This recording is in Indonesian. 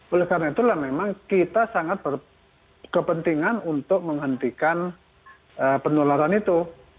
oleh karena itulah memang kita sangat berkepentingan untuk menghentikan penularan itu